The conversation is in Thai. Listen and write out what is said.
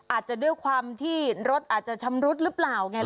อาจจะด้วยความที่รถอาจจะชำรุดหรือเปล่าไง